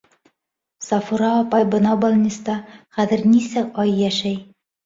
Сафура апай бынау балниста хәҙер нисә ай йәшәй.